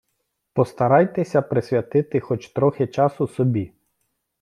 Постарайтеся присвятити хоч трохи часу собі.